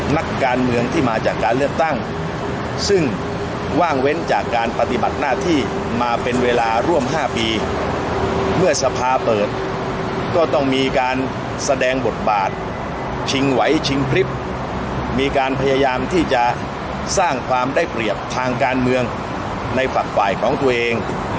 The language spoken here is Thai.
นักการเมืองที่มาจากการเลือกตั้งซึ่งว่างเว้นจากการปฏิบัติหน้าที่มาเป็นเวลาร่วม๕ปีเมื่อสภาเปิดก็ต้องมีการแสดงบทบาทชิงไหวชิงพลิบมีการพยายามที่จะสร้างความได้เปรียบทางการเมืองในฝักฝ่ายของตัวเอง